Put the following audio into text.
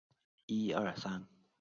北汝河下游段系古代汝水故道。